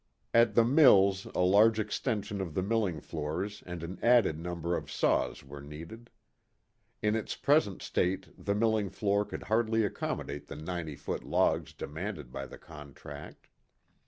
At the mills a large extension of the milling floors and an added number of saws were needed. In its present state the milling floor could hardly accommodate the ninety foot logs demanded by the contract.